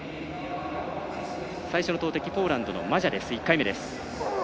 最初の投てきポーランドのマジャ、１回目。